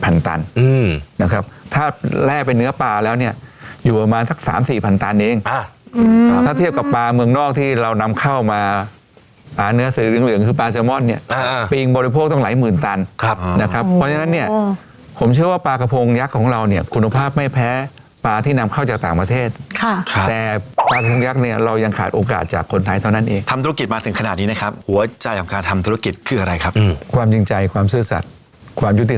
ปาเนื้อสีเหลืองคือปลาแซลมอนเนี่ยปีงบริโภคต้องไหลหมื่นตันนะครับเพราะฉะนั้นเนี่ยผมเชื่อว่าปากระพงยักษ์ของเราเนี่ยคุณภาพไม่แพ้ปลาที่นำเข้าจากต่างประเทศแต่ปากกระพงยักษ์เนี่ยเรายังขาดโอกาสจากคนไทยเท่านั้นเองทำธุรกิจมาถึงขนาดนี้นะครับหัวใจของการทำธุรกิจคืออะไร